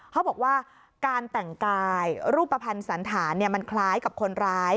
เขาบอกว่าการแต่งกายรูปภัณฑ์สันธารมันคล้ายกับคนร้าย